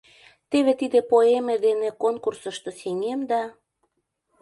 Теве тиде поэме дене конкурсышто сеҥем да...